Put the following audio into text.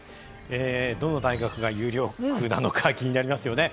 どの大学が有力なのか気になりますよね。